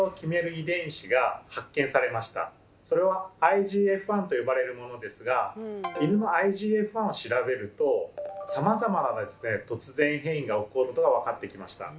それは「ＩＧＦ１」と呼ばれるものですがイヌのＩＧＦ１を調べるとさまざまな突然変異が起こることが分かってきました。